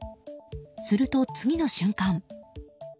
すると、次の瞬間。